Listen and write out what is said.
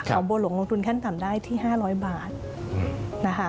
บัวหลงลงทุนขั้นต่ำได้ที่๕๐๐บาทนะคะ